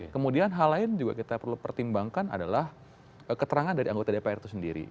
kemudian hal lain juga kita perlu pertimbangkan adalah keterangan dari anggota dpr itu sendiri